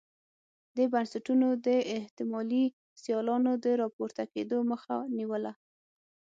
دې بنسټونو د احتمالي سیالانو د راپورته کېدو مخه نیوله.